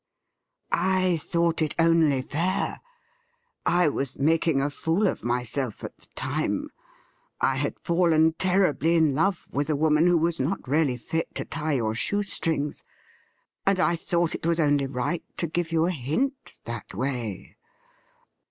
' I thought it only fair. I was making a fool of myself at the time. I had fallen terribly in love with a woman who was not really fit to tie your shoe strings, and I thought 'HAST THOU POUND ME OUT?* ^19 it was only right to give you a hint that way.